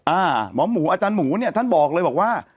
หมอหมูอาจารย์หมูเนี่ยท่านบอกเลยบอกว่า